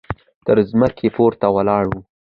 تر ځمکې پورته ولاړه وه.